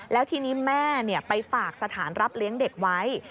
แล้วทีนี้แม่ไปฝากสถานรับเลี้ยงเด็กไว้